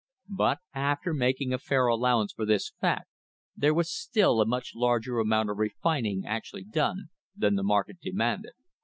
But after making a fair allowance for this fact there was still a much larger amount of refining actually done than the market demanded.